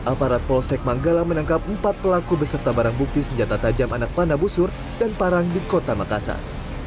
aparat polsek manggala menangkap empat pelaku beserta barang bukti senjata tajam anak panah busur dan parang di kota makassar